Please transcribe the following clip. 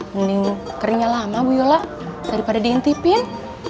mending keringnya lama bu yola daripada diintipin